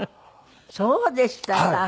そうでしたか。